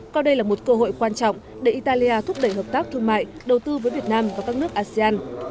coi đây là một cơ hội quan trọng để italia thúc đẩy hợp tác thương mại đầu tư với việt nam và các nước asean